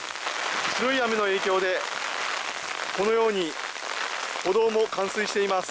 強い雨の影響でこのように歩道も冠水しています。